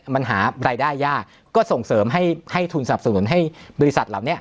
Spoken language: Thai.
มันหารายได้ยากก็ส่งเสริมให้ทุนสนับสนุนให้บริษัทเหล่านี้